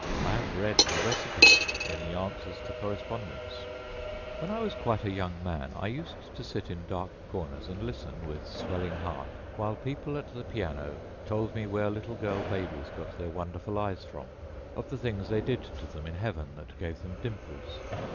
I have read the recipes in the Answers to Correspondents. When I was quite a young man I used to sit in dark corners and listen, with swelling heart, while people at the piano told me where little girl babies got their wonderful eyes from, of the things they did to them in heaven that gave them dimples.